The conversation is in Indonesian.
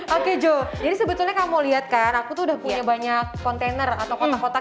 oke jo jadi sebetulnya kamu lihat kan aku tuh udah punya banyak kontainer atau kotak kotak